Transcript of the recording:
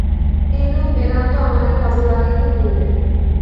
এইরূপে বেদান্ত আমাদের কাজে লাগাইতে হইবে।